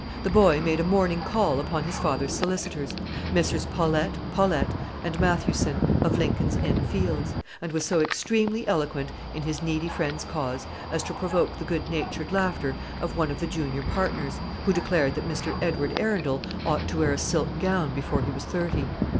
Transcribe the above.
The boy made a morning call upon his father's solicitors, Messrs. Paulette, Paulette, and Mathewson, of Lincoln's Inn Fields, and was so extremely eloquent in his needy friend's cause, as to provoke the good natured laughter of one of the junior partners, who declared that Mr. Edward Arundel ought to wear a silk gown before he was thirty.